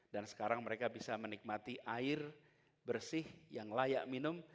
dan sekarang mereka bisa menikmati air bersih yang layak minum